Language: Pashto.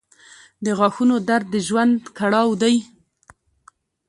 • د غاښونو درد د ژوند کړاو دی.